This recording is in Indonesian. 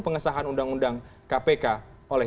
pengesahan undang undang kpk oleh